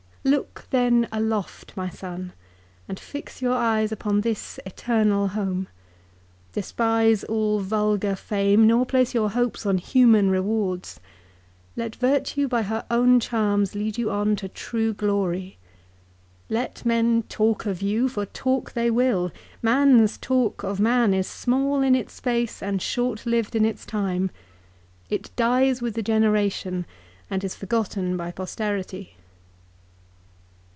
Look then aloft, my son, and fix your eyes upon this eternal home. Despise all vulgar fame, nor place your hopes on human rewards. Let virtue by her own charms lead you on to true glory. Let men talk of you, for talk they will. Man's talk of man is small in its space, and short lived in its time. It dies with a generation and is forgotten by posterity.'